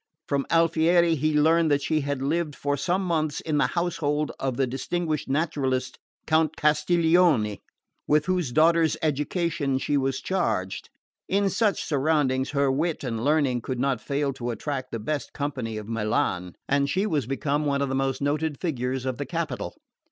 From Alfieri he learned that she had lived for some months in the household of the distinguished naturalist, Count Castiglione, with whose daughter's education she was charged. In such surroundings her wit and learning could not fail to attract the best company of Milan, and she was become one of the most noted figures of the capital.